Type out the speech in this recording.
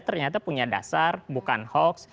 ternyata punya dasar bukan hoax